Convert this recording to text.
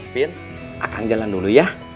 pin akan jalan dulu ya